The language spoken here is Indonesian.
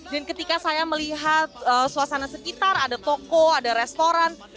dan ketika saya melihat suasana sekitar ada toko ada restoran alamatnya juga belum berubah masih jalan raya bambu apus